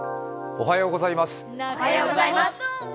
おはようございます。